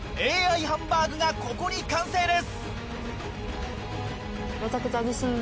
ＡＩハンバーグがここに完成です！